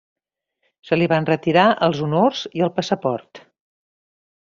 Se li van retirar els honors i el passaport.